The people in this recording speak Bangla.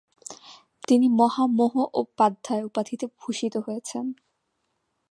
তিনি ‘মহামহোপাধ্যায়’ উপাধিতে ভূষিত হয়েছেন।